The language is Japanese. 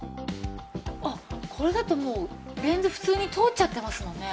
あっこれだともうレンズ普通に通っちゃってますよね。